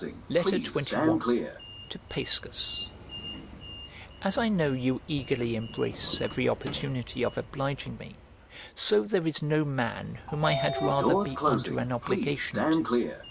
XXI To PAISCUS As I know you eagerly embrace every opportunity of obliging me, so there is no man whom I had rather be under an obligation to.